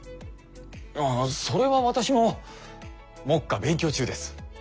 ああそれは私も目下勉強中です。